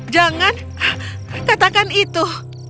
jangan katakan itu